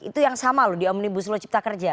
itu yang sama loh di omnibus law cipta kerja